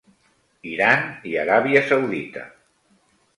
Iran i Aràbia Saudita.